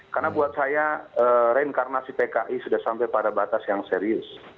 karena buat saya reinkarnasi pki sudah sampai pada batas yang serius